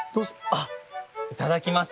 あっいただきます。